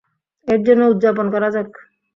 এর জন্য উদযাপন করা যাক।